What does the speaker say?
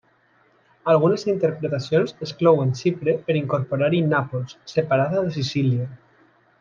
Algunes interpretacions exclouen Xipre per incorporar-hi Nàpols, separada de Sicília.